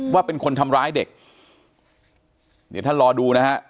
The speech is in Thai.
ว่าเป็นคนทำร้ายเด็กเดี๋ยวท่านรอดูนะฮะ